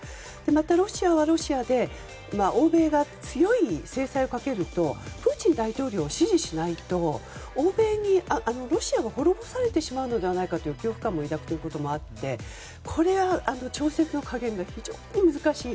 また、ロシアはロシアで欧米が強い制裁をかけるとプーチン大統領を支持しないと欧米にロシアを滅ぼされてしまうのではないかという恐怖感を抱くこともあってこれは、調節の加減が非常に難しい。